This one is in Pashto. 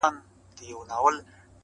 • غرڅه ولاړی د ځنګله پر خوا روان سو ,